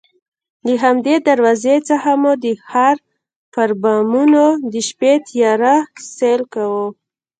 له همدې دروازې څخه مو د ښار پر بامونو د شپې تیاره سیل کاوه.